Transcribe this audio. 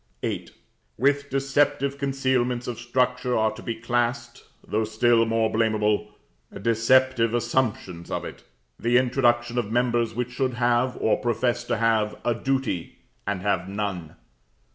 VIII. With deceptive concealments of structure are to be classed, though still more blameable, deceptive assumptions of it the introduction of members which should have, or profess to have, a duty, and have none.